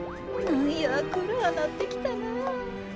なんやくらなってきたなあ。